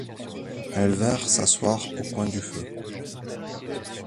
Elles vinrent s’asseoir au coin du feu.